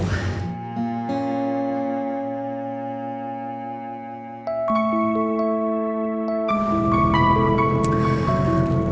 tante juga bingung